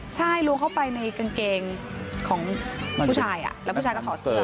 ใช่ลวงเข้าไปในกางเกงของผู้ชายแล้วผู้ชายก็ถอดเสื้อ